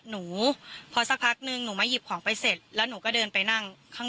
หนูพอสักพักนึงหนูมาหยิบของไปเสร็จแล้วหนูก็เดินไปนั่งข้าง